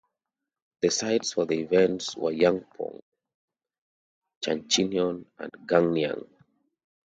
The sites for the events were Yongpyong, Chuncheon and Gangneung.